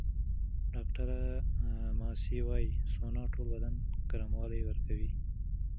ډاکټره ماسي وايي، سونا ټول بدن ګرموالی ورکوي.